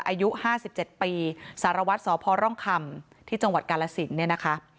อายุ๕๗ปีสารวัตรสพร่องคำที่จังหวัดกาลสินเนี่ยนะคะ